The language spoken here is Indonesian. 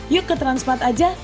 yuk ke transmart aja